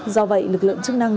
do vậy lực lượng chức năng